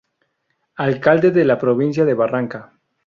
Alcalde de la Provincia de Barranca.